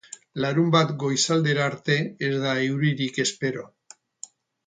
Larunbat goizaldera arte, ez da euririk espero.